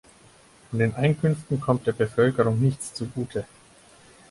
Von den Einkünften kommt der Bevölkerung nichts zugute.